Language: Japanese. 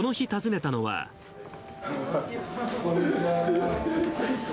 こんにちは。